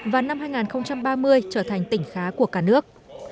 và năm hai nghìn ba mươi trở thành tỉnh khá của cả nước